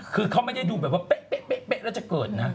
คือเขาไม่ได้ดูแบบว่าเป๊ะแล้วจะเกิดนะ